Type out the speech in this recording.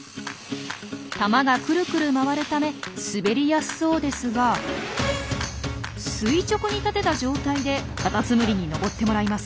玉がクルクル回るため滑りやすそうですが垂直に立てた状態でカタツムリに上ってもらいます。